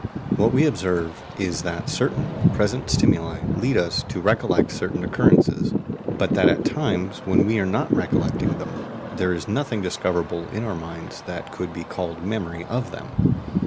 What we observe is that certain present stimuli lead us to recollect certain occurrences, but that at times when we are not recollecting them, there is nothing discoverable in our minds that could be called memory of them.